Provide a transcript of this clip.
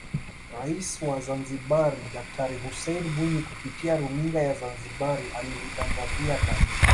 Rais wa Zanzibari Daktari Hussein Mwinyi kupitia runinga ya Zanzibari alilitangazia Taifa